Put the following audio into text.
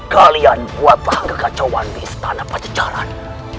kalian buatlah kekacauan di istana pacaran